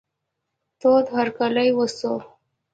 تود هرکلی وسو.